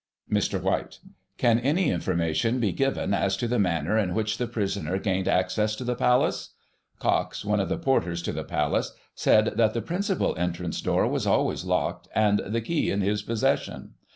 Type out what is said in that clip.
Mr. White: Can any information be given as to the manner in which the prisoner gained access to the Palace? Cox, one of the porters to the Palace, said that the principal entrance door was always locked, and the key in his possession.